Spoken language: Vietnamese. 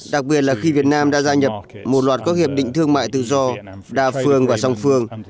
đặc biệt là khi việt nam đã gia nhập một loạt các hiệp định thương mại tự do đa phương và song phương